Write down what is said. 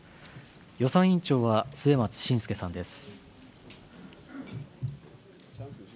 予算委員長は末松信介さんです。